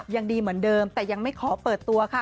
ยังดีเหมือนเดิมแต่ยังไม่ขอเปิดตัวค่ะ